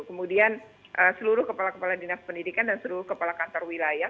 kemudian seluruh kepala kepala dinas pendidikan dan seluruh kepala kantor wilayah